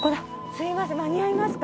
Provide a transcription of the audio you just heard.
すいません間に合いますか？